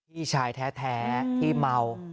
พี่ชายแท้ที่เมา